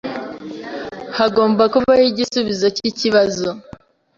Hagomba kubaho igisubizo cyikibazo.